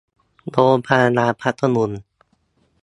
โรงพยาบาลพัทลุง